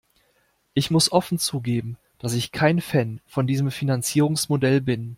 Ich muss offen zugeben, dass ich kein Fan von diesem Finanzierungsmodell bin.